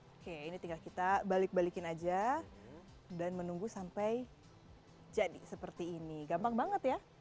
oke ini tinggal kita balik balikin aja dan menunggu sampai jadi seperti ini gampang banget ya